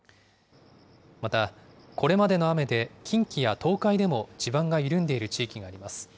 また、これまでの雨で近畿や東海でも地盤が緩んでいる地域があります。